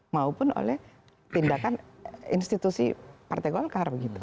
maupun oleh tindakan institusi partai golkar